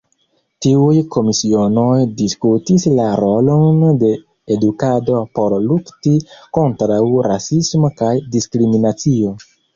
Tiuj komisionoj diskutis la rolon de edukado por lukti kontraŭ rasismo kaj diskriminacio.